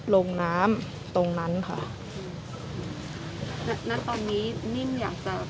ลงน้ำตรงนั้นค่ะ